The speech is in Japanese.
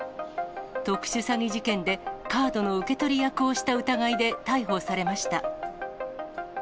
特殊詐欺事件でカードの受け取り役をした疑いで逮捕されました。